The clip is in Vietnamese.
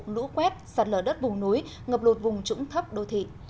lũ quét sạt lở đất vùng núi ngập lụt vùng trũng thấp đô thị